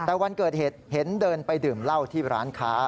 แต่วันเกิดเหตุเห็นเดินไปดื่มเหล้าที่ร้านค้า